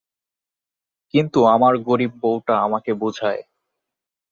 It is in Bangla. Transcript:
কিন্তু আমার গরীব বউটা আমাকে বুঝায়।